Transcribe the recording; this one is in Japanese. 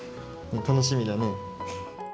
楽しみだね。